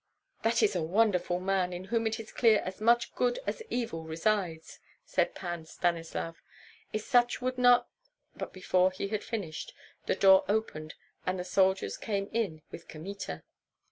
"That is a wonderful man, in whom it is clear as much good as evil resides," said Pan Stanislav. "If such would not " But before he had finished, the door opened and the soldiers came in with Kmita.